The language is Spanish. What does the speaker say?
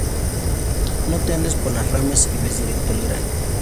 No te andes por las ramas y ves directo al grano